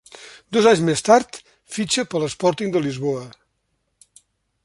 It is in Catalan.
Dos anys més tard fitxa per l'Sporting de Lisboa.